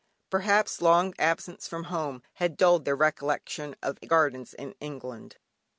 Perhaps long absence from home had dulled their recollection of gardens in England.